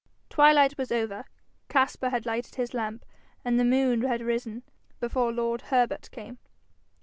Twilight was over, Caspar had lighted his lamp, and the moon had risen, before lord Herbert came.